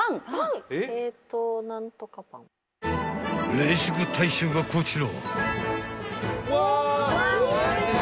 ［冷食大賞がこちら］